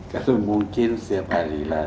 itu mungkin setiap hari lah